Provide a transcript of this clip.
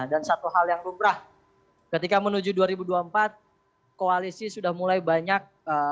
dan satu hal yang luprah ketika menuju dua ribu dua puluh empat koalisi sudah mulai banyak